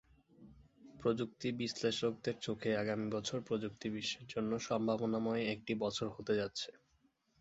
প্রযুক্তি বিশ্লেষকেদের চোখে আগামী বছর প্রযুক্তি-বিশ্বের জন্য সম্ভাবনাময় একটি বছর হতে যাচ্ছে।